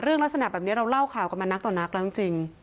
เรื่องลักษณะแบบนี้เราเล่าข่าวกันมานักต่อนักแล้วจริง